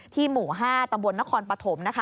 ที่หมู่๕ตำบลนครปฐม